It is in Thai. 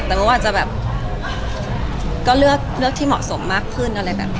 แต่ก็อาจจะแบบก็เลือกที่เหมาะสมมากขึ้นอะไรแบบนี้